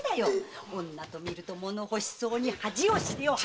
女と見ると物欲しそうに恥を知れ！